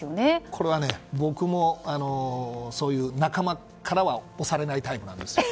これはね、僕もそういう仲間からは推されないタイプなんですよ。